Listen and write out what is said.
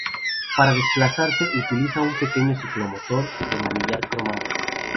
Para desplazarse utiliza un pequeño ciclomotor de manillar cromado.